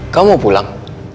kamu mau pulang